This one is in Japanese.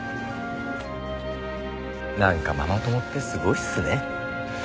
なんかママ友ってすごいっすね。